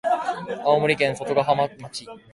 青森県外ヶ浜町